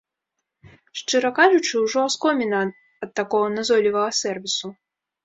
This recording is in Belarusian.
Шчыра кажучы, ужо аскоміна ад такога назойлівага сэрвісу.